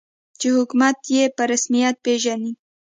چې حکومت یې په رسمیت پېژني.